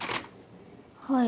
はい。